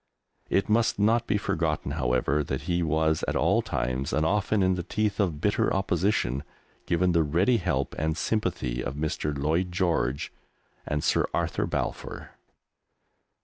It must not be forgotten, however that he was at all times, and often in the teeth of bitter opposition, given the ready help and sympathy of Mr. Lloyd George and Sir Arthur Balfour.